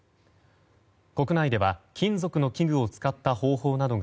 国内では金属の器具を使った方法などが